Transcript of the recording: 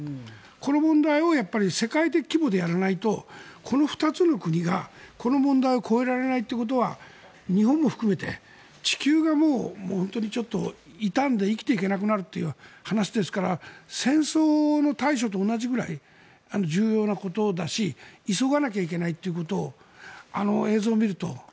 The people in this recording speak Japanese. この問題を世界的規模でやらないとこの２つの国がこの問題を越えられないということは日本も含めて地球がもう痛んで生きていけなくなるという話ですから戦争の対処と同じぐらい重要なことだし急がなきゃいけないということをあの映像を見ると。